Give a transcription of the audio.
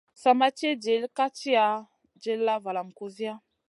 Sa ma ci dill ka tiya, dilla valam kusiya.